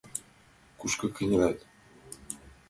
— Кушко кынелат!